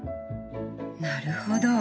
なるほど。